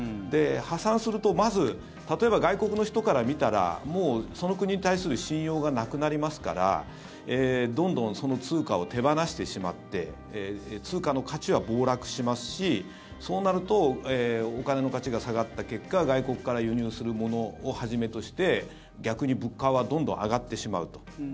破産すると、まず例えば外国の人から見たらその国に対する信用がなくなりますからどんどんその通貨を手放してしまって通貨の価値は暴落しますしそうなるとお金の価値が下がった結果外国から輸入するものをはじめとして逆に物価はどんどん上がってしまうと。